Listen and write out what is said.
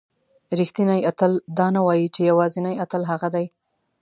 رښتینی اتل دا نه وایي چې یوازینی اتل هغه دی.